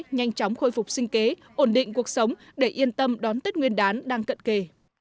nhanh chóng khôi phục sinh kế ổn định cuộc sống để yên tâm đón tết nguyên đán đang cận kề